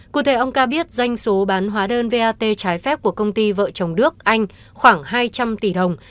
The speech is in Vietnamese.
cụ thể ông ca biết doanh số bán hóa đơn vat trái phép của công ty vợ chồng đức anh khoảng hai trăm linh tỷ đồng